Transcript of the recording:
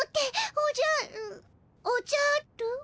おじゃる。